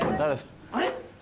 あれ？